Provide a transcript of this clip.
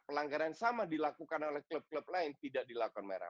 pelanggaran yang sama dilakukan oleh klub klub lain tidak dilakukan merah